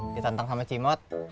ditentang sama cimot